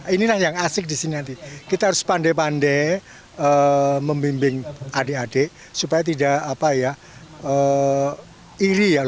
inilah yang asik disini nanti kita harus pandai pandai membimbing adik adik supaya tidak iri ya